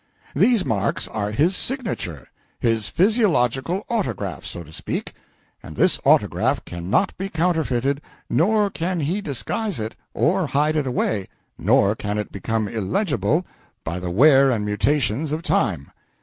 These marks are his signature, his physiological autograph, so to speak, and this autograph can not be counterfeited, nor can he disguise it or hide it away, nor can it become illegible by the wear and mutations of time.